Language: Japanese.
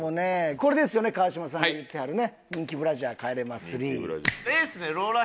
これですよね川島さんが言うてはるね「人気ブラジャー帰れま３」。